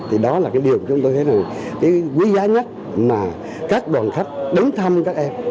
thì đó là cái điều chúng tôi thấy rằng cái quý giá nhất mà các đoàn khách đến thăm các em